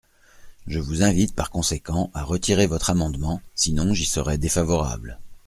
Je vous invite par conséquent à retirer votre amendement, sinon j’y serai défavorable.